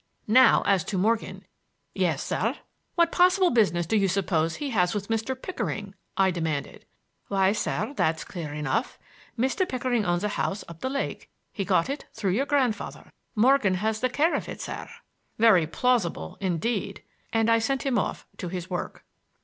"Now, as to Morgan—" "Yes, sir." "What possible business do you suppose he has with Mr. Pickering?" I demanded. "Why, sir, that's clear enough. Mr. Pickering owns a house up the lake,—he got it through your grandfather. Morgan has the care of it, sir." "Very plausible, indeed!"—and I sent him off to his work.